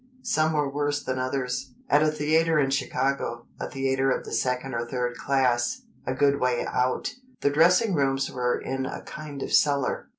Some were worse than others. At a theatre in Chicago, a theatre of the second or third class, a good way out, the dressing rooms were in a kind of cellar.